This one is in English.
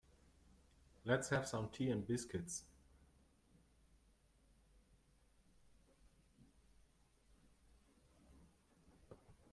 Let's have some tea and biscuits.